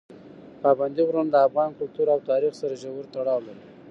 پابندي غرونه د افغان کلتور او تاریخ سره ژور تړاو لري.